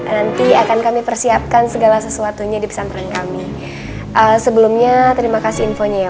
nanti akan kami persiapkan segala sesuatunya di pesantren kami sebelumnya terima kasih infonya ya